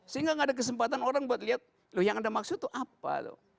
sehingga gak ada kesempatan orang buat lihat loh yang anda maksud itu apa